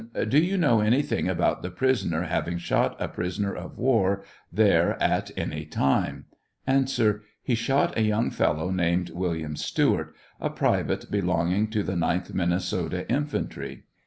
Do you know anything about the prisoner having shot a prisoner of war there at any time ? A. He shot a young fellow named William Stewart, a private belonging to the 9th Min TRIAL OF HENRY WIRZ. 801 ■nesota infantry.